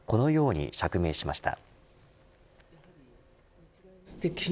このように釈明しました。